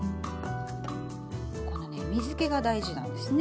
このね水けが大事なんですね。